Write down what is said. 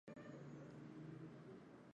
د تیارې څادر چې سم نه وغوړیدلی و.